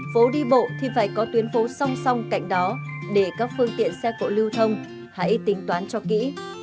phố đi bộ thì phải có tuyến phố song song cạnh đó để các phương tiện xe cộ lưu thông hãy tính toán cho kỹ